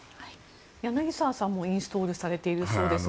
柳澤さんもインストールされているそうですが。